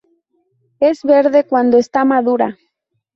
Es verde cuando está madura.